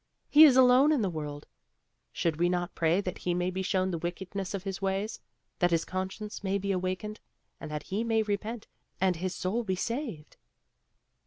He is alone in the world. Should not we pray that he may be shown the wickedness of his ways, that his conscience may be awakened and that he may repent and his soul be saved?"